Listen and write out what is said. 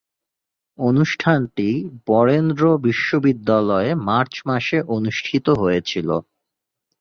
অনুষ্ঠানটি বরেন্দ্র বিশ্ববিদ্যালয়ে মার্চ মাসে অনুষ্ঠিত হয়েছিলো।